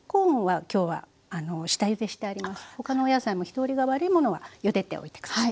他のお野菜も火通りが悪いものはゆでておいて下さい。